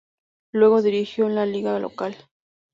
Luego dirigió en la liga local.